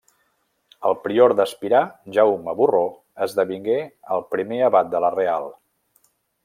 El prior d'Espirà, Jaume Borró, esdevingué el primer abat de la Real.